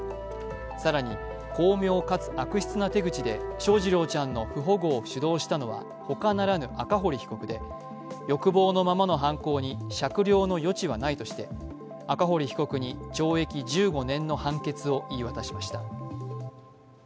更に巧妙かつ悪質な手口で翔士郎ちゃんの不保護を主導したのは他ならぬ赤堀被告で欲望のままの犯行に酌量の余地はないとして赤堀被告に懲役１５年の判決を言い渡しました。